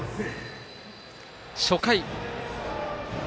初回。